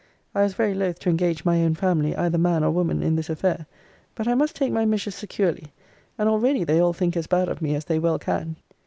I was very loth to engage my own family, either man or woman, in this affair; but I must take my measures securely: and already they all think as bad of me as they well can.